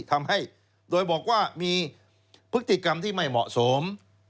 ทำให้โดยบอกว่ามีพฤติกรรมที่ไม่เหมาะสม